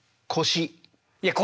「腰」。